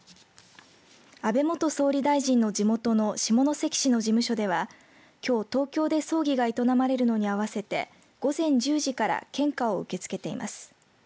安倍元総理大臣の地元の下関市の事務所ではきょう、東京で葬儀が営まれるのに合わせて午前１０時から献花を受け付けています。